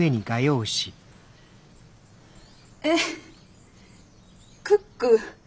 えっクック。